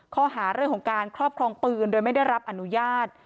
ข้อหาเรื่องของการครอบครองปืนโดยไม่ได้รับอนุญาต